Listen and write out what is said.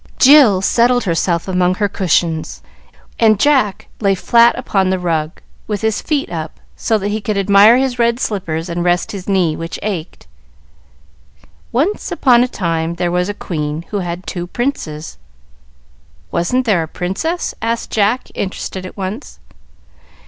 Jill settled herself among her cushions, and Jack lay flat upon the rug, with his feet up, so that he could admire his red slippers and rest his knee, which ached. "Once upon a time there was a queen who had two princes." "Wasn't there a princess?" asked Jack, interested at once.